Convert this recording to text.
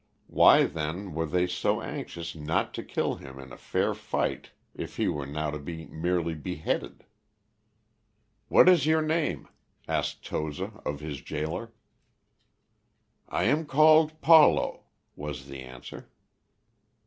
Why then were they so anxious not to kill him in a fair fight if he were now to be merely beheaded? "What is your name?" asked Toza of his gaoler. "I am called Paulo," was the answer.